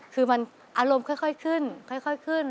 คือมันอารมณ์ค่อยขึ้นค่อยขึ้น